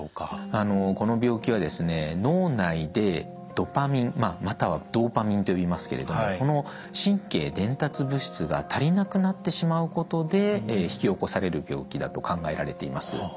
この病気は脳内でドパミンまたはドーパミンといいますけれどもこの神経伝達物質が足りなくなってしまうことで引き起こされる病気だと考えられています。